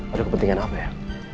ada kepentingan apa ya